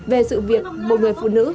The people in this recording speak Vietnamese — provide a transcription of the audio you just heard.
về sự việc một người phụ nữ